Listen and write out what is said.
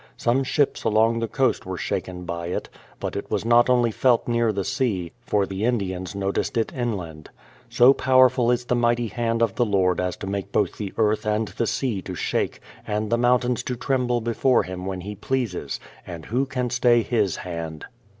Some ships along the coast were shaken by it; but it was not only felt near the sea, for the Indians noticed it inland. So powerful is the mighty hand of the Lord as to make both the earth and the sea to shake, and the mountains to tremble before Him when He pleases ; and who can stay His hand?